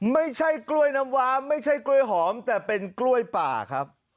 ไม่ใช่กล้วยน้ำว้าไม่ใช่กล้วยหอมแต่เป็นกล้วยป่าครับ